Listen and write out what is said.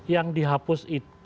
yang dihapus itu